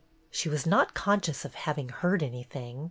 She was not conscious of having heard anything.